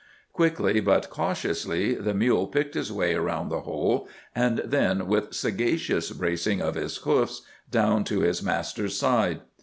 Quickly but cautiously the mule picked his way around the hole, and then, with sagacious bracing of his hoofs, down to his master's side.